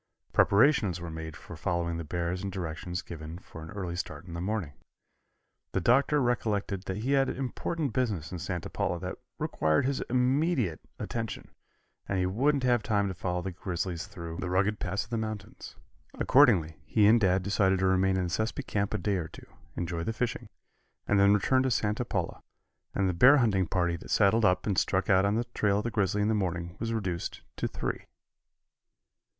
Preparations were made for following the bears and directions given for an early start in the morning. The Doctor recollected that he had important business in Santa Paula that required his immediate attention, and he wouldn't have time to follow the grizzlies through the rugged passes of the mountains. Accordingly, he and Dad decided to remain in the Sespe camp a day or two, enjoy the fishing, and then return to Santa Paula, and the bear hunting party that saddled up and struck out on the trail of the grizzly in the morning was reduced to three.